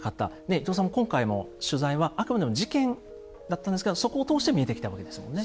伊藤さんも今回も取材はあくまでも事件だったんですけどそこを通して見えてきたわけですもんね。